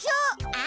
あ！